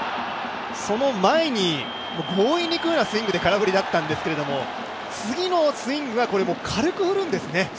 その前に、強引にいくようなスイングで空振りだったんですけど、次のスイングが軽く振るんですね。